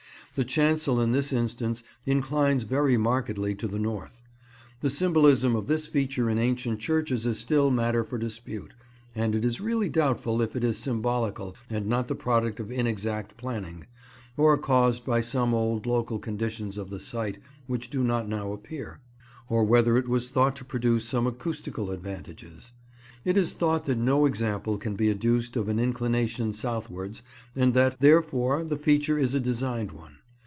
The chancel in this instance inclines very markedly to the north. The symbolism of this feature in ancient churches is still matter for dispute; and it is really doubtful if it is symbolical and not the product of inexact planning, or caused by some old local conditions of the site which do not now appear; or whether it was thought to produce some acoustical advantages. It is thought that no example can be adduced of an inclination southwards, and that, therefore, the feature is a designed one.